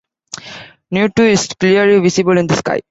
Ne'tu is clearly visible in the sky.